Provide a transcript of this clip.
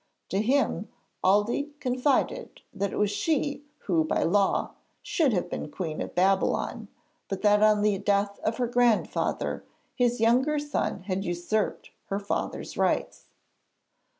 To him, Aldée confided that it was she who, by law, should have been Queen of Babylon, but that on the death of her grandfather his younger son had usurped her father's rights.